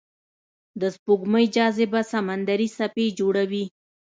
د سپوږمۍ جاذبه سمندري څپې جوړوي.